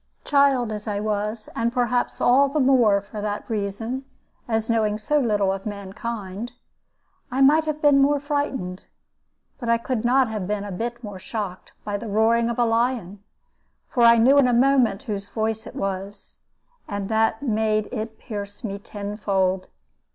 Child as I was and, perhaps, all the more for that reason as knowing so little of mankind I might have been more frightened, but I could not have been a bit more shocked, by the roaring of a lion. For I knew in a moment whose voice it was, and that made it pierce me tenfold.